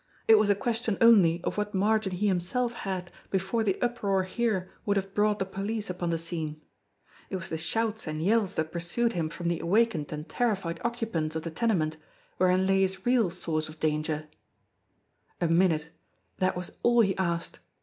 It was a question only of what margin he himself had before the uproar here would have brought the police upon the scene. It was the shouts and yells that pur sued him from the awakened and terrified occupants of the tenement wherein lay his real source of danger. JACKALS 207 A minute! That was all he asked.